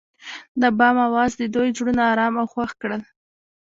د بام اواز د دوی زړونه ارامه او خوښ کړل.